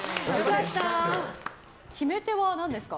決め手は何ですか？